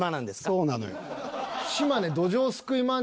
そうなのよ。